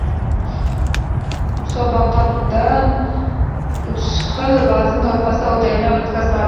Musobaqadao´n uchxil vazn toifasida janglar o‘tkaziladi